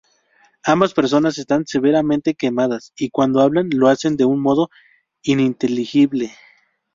Ambas personas están severamente quemadas y cuando hablan lo hacen de un modo ininteligible.